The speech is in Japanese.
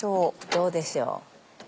どうでしょう。